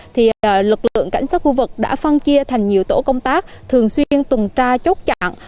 thì lực lượng cảnh sát khu vực đã phân chia thành nhiều tổ công tác thường xuyên tuần tra chốt chặn